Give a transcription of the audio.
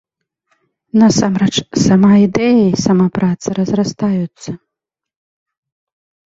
Насамрэч, сама ідэя і сама праца разрастаюцца.